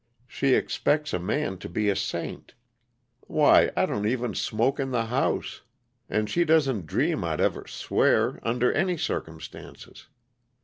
She expects a man to be a saint. Why, I don't even smoke in the house and she doesn't dream I'd ever swear, under any circumstances.